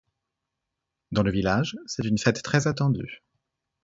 Dans le village, c'est une fête très attendue.